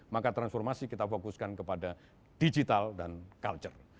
maka transformasi kita fokuskan kepada digital dan culture